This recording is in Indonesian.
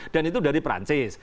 dan itu dari perancis